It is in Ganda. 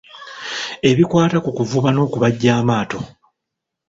Ebikwata ku kuvuba n’okubajja amaato.